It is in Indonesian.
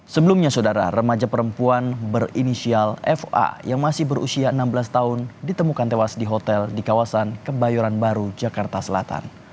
sebelumnya saudara remaja perempuan berinisial fa yang masih berusia enam belas tahun ditemukan tewas di hotel di kawasan kebayoran baru jakarta selatan